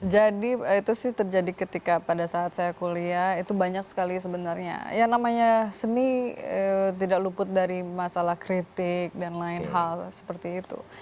jadi itu sih terjadi ketika pada saat saya kuliah itu banyak sekali sebenarnya yang namanya seni tidak luput dari masalah kritik dan lain hal seperti itu